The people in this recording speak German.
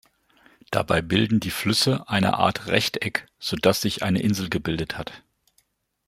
Dabei bilden die Flüsse eine Art Rechteck, so dass sich eine Insel gebildet hat.